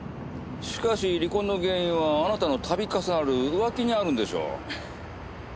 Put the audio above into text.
しかし離婚の原因はあなたの度重なる浮気にあるんでしょう。